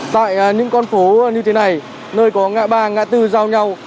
tại những con phố như thế này nơi có ngã ba ngã tư giao nhau